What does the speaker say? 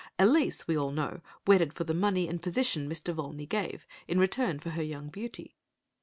Elise, we all know, wedded for the money and position Mr. Volney gave, in return for her young beauty.